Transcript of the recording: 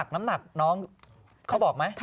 น้ำหนักน้องเขาบอกไหม